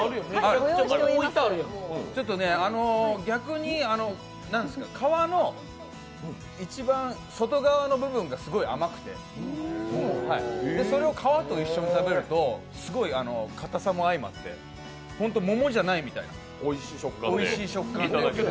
あるか、逆に皮の一番外側の部分がすごく甘くてそれを皮と一緒に食べると、かたさも相まってほんと桃じゃないみたいおいしい食感で頂ける。